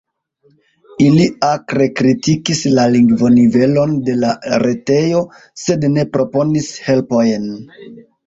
Ili akre kritikis la lingvonivelon de la retejo, sed ne proponis helpojn.